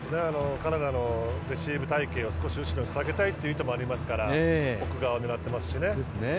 カナダのレシーブ隊形を少し後ろに下げたい狙いもあって奥側を狙っていますね。